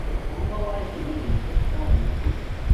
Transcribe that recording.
鴨川を愛する念がますます高まるようになってきました